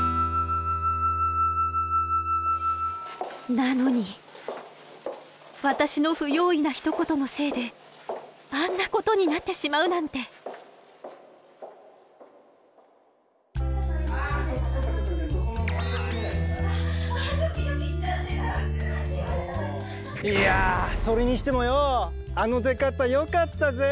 なのに私の不用意なひと言のせいであんなことになってしまうなんて。いやそれにしてもよあの出方よかったぜ！